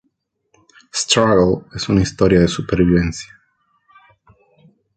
Struggle es una historia de supervivencia.